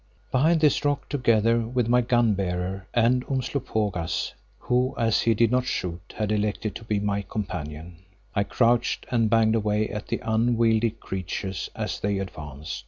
Behind this rock together with my gun bearer and Umslopogaas, who, as he did not shoot, had elected to be my companion, I crouched and banged away at the unwieldy creatures as they advanced.